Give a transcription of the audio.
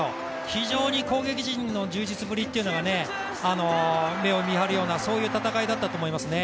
非常に攻撃陣の充実ぶりっていうのが目を見張るような戦いだったと思いますね。